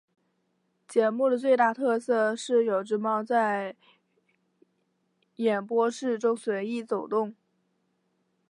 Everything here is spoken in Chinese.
节目的最大特色是有只猫在演播室中随意走动。